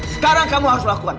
sekarang kamu harus lakukan